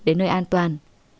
đến nơi an toàn